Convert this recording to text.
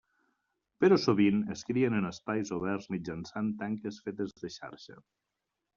Però sovint es crien en espais oberts mitjançant tanques fetes de xarxa.